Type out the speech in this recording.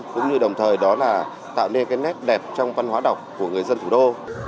cũng như đồng thời đó là tạo nên cái nét đẹp trong văn hóa đọc của người dân thủ đô